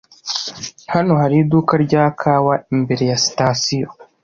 Hano hari iduka rya kawa imbere ya sitasiyo. (FiRez)